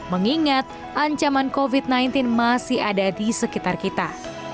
mengingat ancaman covid sembilan belas masih ada di sekitar kita